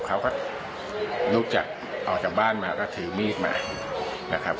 เขาก็ลุกจากออกจากบ้านมาก็ถือมีดมานะครับ